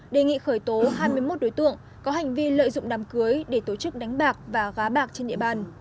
đề nghị khởi tố hai mươi một đối tượng có hành vi lợi dụng đám cưới để tổ chức đánh bạc và gá bạc trên địa bàn